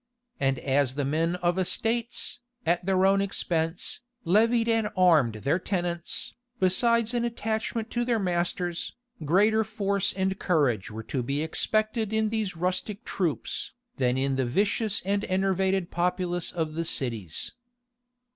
And as the men of estates, at their own expense, levied and armed their tenants, besides an attachment to their masters, greater force and courage were to be expected in these rustic troops, than in the vicious and enervated populace of cities.